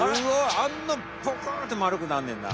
あんなプクッて丸くなんねんな。